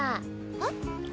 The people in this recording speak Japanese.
えっ？